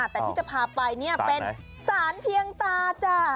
แต่ที่จะพาไปเป็นสารเพียงตาจ้า